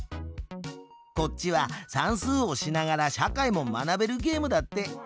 こっちは算数をしながら社会も学べるゲームだって。